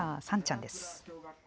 さんちゃんです。